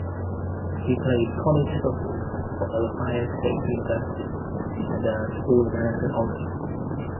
He played college football for Ohio State University, and earned All-American honors.